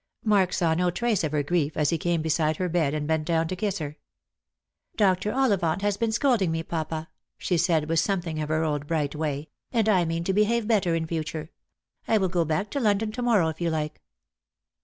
Mark saw no trace of her grief as he came beside her bed and bent down to kiss her. " Dr. Ollivant has been scolding me, papa," she said, with something of her old bright way, " and I mean to behave better in future. I will go back to London to morrow, if you like."